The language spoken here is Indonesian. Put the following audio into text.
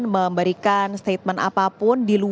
gambar yang anda saksikan saat ini adalah